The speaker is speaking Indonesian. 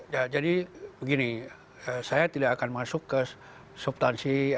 ya jadi begini saya tidak akan masuk ke subtansi